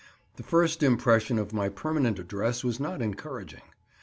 The first impression of my permanent address was not encouraging.